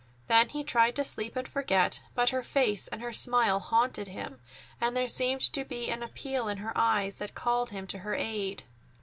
Then he tried to sleep and forget, but her face and her smile haunted him, and there seemed to be an appeal in her eyes that called him to her aid.